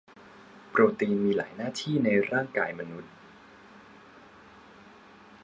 โปรตีนมีหลายหน้าที่ในร่ายกายมนุษย์